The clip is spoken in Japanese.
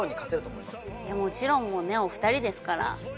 もちろんもうねお２人ですから。